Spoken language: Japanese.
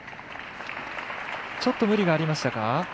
ちょっと無理がありましたか？